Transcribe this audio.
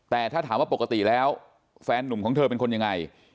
แต่ถ้าถามว่าปกติแล้วแฟนนุ่มของเธอเป็นคนยังไง